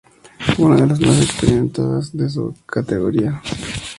Una de las más experimentadas de su categoría.